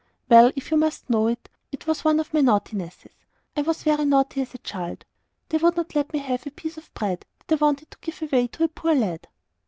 "Well, if you must know it, it was one of my naughtinesses I was very naughty as a child. They would not let me have a piece of bread that I wanted to give away to a poor lad."